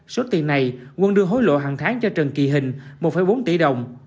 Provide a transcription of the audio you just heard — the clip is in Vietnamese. số tiền này quân đưa hối lộ hàng tháng cho trần kỳ hình một bốn tỷ đồng